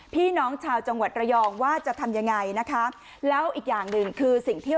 พี่น้องชาวจังหวัดระยองว่าจะทำยังไงนะคะแล้วอีกอย่างหนึ่งคือสิ่งที่